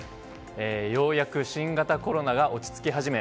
ようやく新型コロナが落ち着き始め